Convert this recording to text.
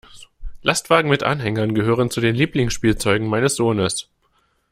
Lastwagen mit Anhängern gehören zu den Lieblingsspielzeugen meines Sohnes.